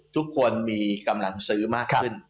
ทุกคนมีกำลังซื้อมากขึ้น